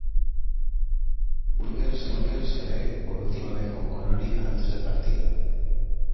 Bulger se ve por última vez con Connolly antes de partir.